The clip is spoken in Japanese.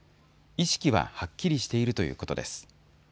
意識ははっきりしているということです。